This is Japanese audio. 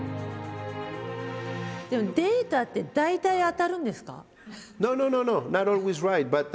でもデータって大体当たるんですか？